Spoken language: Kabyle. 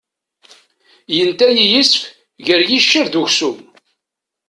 Yenta-iyi yisef gar yiccer d uksum.